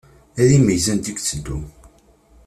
Ad imeyyez anda iteddu.